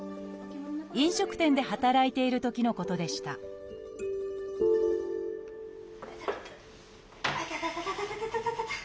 飲食店で働いているときのことでしたいたたた。